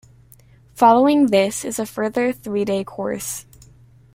Following this is a further three day course.